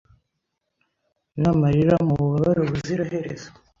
namariraMububabare ubuziraherezo